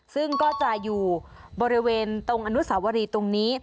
ซึ่งก็จะอยู่บริเวณตรงอนุสาวรีตรงนี้